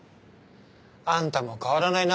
あんたも変わらないな。